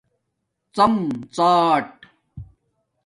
ڎم ڎاٹ